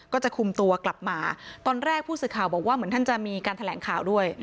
ก็จะคุมตัวกลับมาตอนแรกผู้สื่อข่าวบอกว่าเหมือนท่านจะมีการแถลงข่าวด้วย